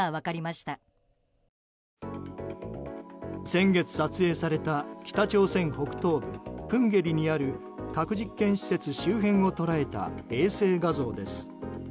先月、撮影された北朝鮮北東部プンゲリにある核実験施設周辺を捉えた衛星画像です。